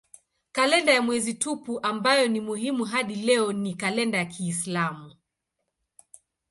Kalenda ya mwezi tupu ambayo ni muhimu hadi leo ni kalenda ya kiislamu.